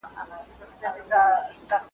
د بې پته مرګ په خوله کي به یې شپه وي `